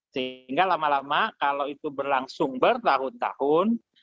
sehingga lama lama kalau itu berlangsung bertahun tahun